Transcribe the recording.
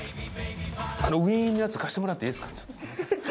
あのウィーンのやつ貸してもらっていいですか？